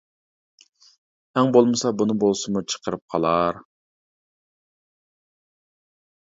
ئەڭ بولمىسا بۇنى بولسىمۇ چىقىرىپ قالار.